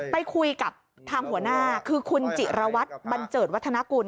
ไปคุยกับทางหัวหน้าคือคุณจิรวัตรบันเจิดวัฒนากุล